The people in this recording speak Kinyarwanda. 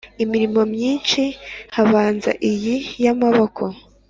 imirimo myinshi Habanza iyi yamaboko